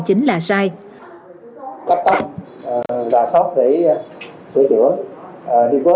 cách tắt và sót để sửa chữa